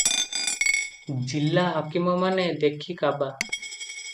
ଜିଲ୍ଲା ହାକିମମାନେ ଦେଖି କାବା ।